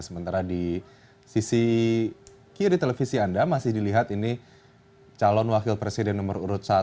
sementara di sisi kiri televisi anda masih dilihat ini calon wakil presiden nomor urut satu